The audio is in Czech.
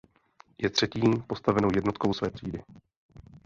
Je třetí postavenou jednotkou své třídy.